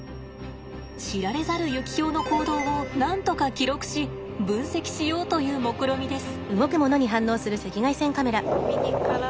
知られざるユキヒョウの行動をなんとか記録し分析しようというもくろみです。